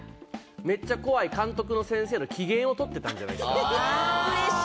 めっちゃ怖い監督の機嫌をとってたんじゃないかな？